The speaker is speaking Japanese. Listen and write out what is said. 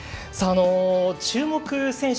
注目選手